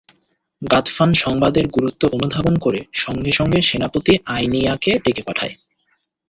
গাতফান সংবাদের গুরুত্ব অনুধাবন করে সঙ্গে সঙ্গে সেনাপতি আইনিয়াকে ডেকে পাঠায়।